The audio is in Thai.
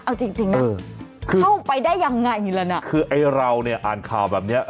เอาจริงจริงนะเข้าไปได้ยังไงแล้วนะคือไอ้เราเนี่ยอ่านข่าวแบบเนี้ย